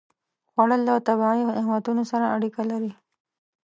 خوړل له طبیعي نعمتونو سره اړیکه لري